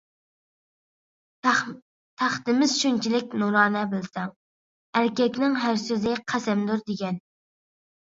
تەختىمىز شۇنچىلىك نۇرانە بىلسەڭ، ئەركەكنىڭ ھەر سۆزى قەسەمدۇر دېگەن.